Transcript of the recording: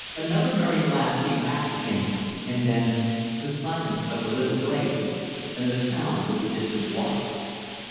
Another merry laugh came back to him and then the silence of the little glade, and the sound of the distant waters.